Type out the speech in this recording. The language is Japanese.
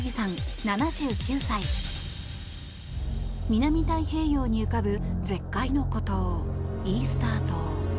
南太平洋に浮かぶ絶海の孤島イースター島。